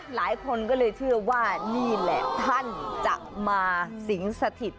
หลายคนก็เลยเชื่อว่านี่แหละท่านจะมาสิงสถิต